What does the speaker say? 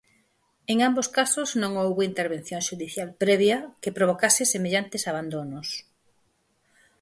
En ambos casos non houbo intervención xudicial previa que provocase semellantes abandonos.